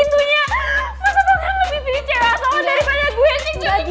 temat yang lewat